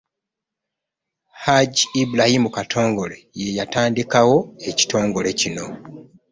Hajji Ibrahim Katongole y'eyatandikawo ekitongole kino.